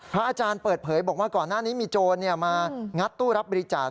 อาจารย์เปิดเผยบอกว่าก่อนหน้านี้มีโจรมางัดตู้รับบริจาค